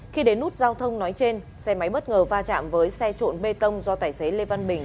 khi đến nút giao thông nói trên xe máy bất ngờ va chạm với xe trộn bê tông do tài xế lê văn bình